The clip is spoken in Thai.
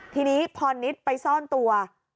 ทีนี้พอนิดไปซ่อนตัว